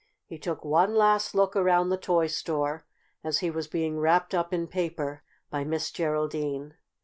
He took one last look around the toy store as he was being wrapped up in paper by Miss Geraldine.